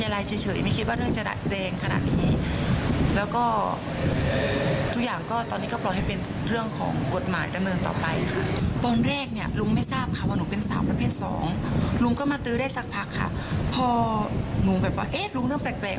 และที่ไปแจ้งความเอาไว้ก็เพราะไม่ต้องการให้ตันลุงคนนี้ไปทำแบบนี้กับผู้โดยสารคนอื่นอีก